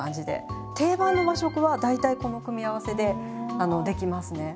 定番の和食は大体この組み合わせで出来ますね。